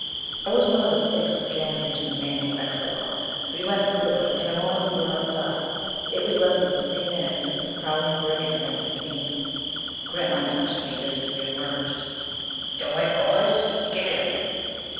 I was one of the six who jammed into the manual exit lock. We went through it; in a moment we were outside. It was less than three minutes since the prowling brigand had been seen. Grantline touched me just as we emerged. "Don't wait for orders? Get him."